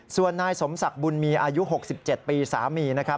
ส่วนนายสมศักดิ์บุญมีอายุ๖๗ปีสามีนะครับ